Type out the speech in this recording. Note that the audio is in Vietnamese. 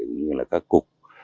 cũng như là các cục